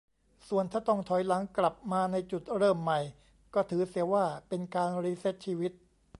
ส่วนถ้าต้องถอยหลังกลับมาในจุดเริ่มใหม่ก็ถือเสียว่าเป็นการรีเซตชีวิต